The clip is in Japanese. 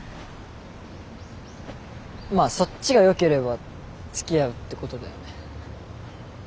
まあそっちがよければつきあうってことだよね。